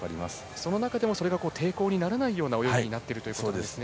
その中でもそれが抵抗にならないような泳ぎになっているということですね。